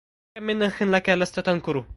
كم من أخ لك لست تنكره